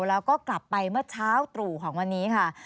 แล้วก็กลับไปเมื่อเช้าตรู่ของวันนี้ค่ะ